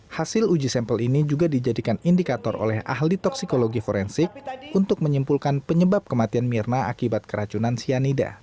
hasil uji sampel ini juga dijadikan indikator oleh ahli toksikologi forensik untuk menyimpulkan penyebab kematian mirna akibat keracunan cyanida